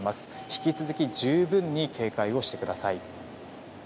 引き続き十分に警戒をしてください。